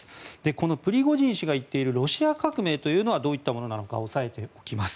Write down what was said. このプリゴジン氏が言っているロシア革命というのはどういったものなのか押さえておきます。